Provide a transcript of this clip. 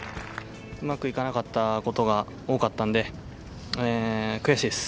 うまくいかなかったことが多かったんで悔しいです。